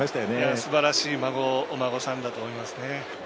すばらしいお孫さんだと思いますね。